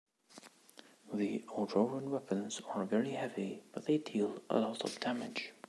The Auroran weapons are very heavy but they deal a lot of damage.